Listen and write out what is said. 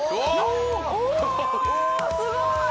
おすごい！